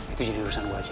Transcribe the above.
itu jadi urusan gue aja